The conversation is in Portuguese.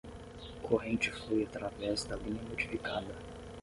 Corrente flui através da linha modificada